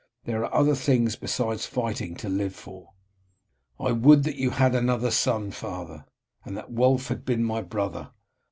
There are other things besides fighting to live for." "I would that you had had another son, father, and that Wulf had been my brother.